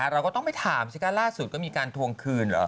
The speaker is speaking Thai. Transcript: เราก็ต้องไปถามสิคะล่าสุดก็มีการทวงคืนเหรอ